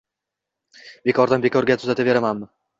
Bekordan-bekorga tuzataveramanmi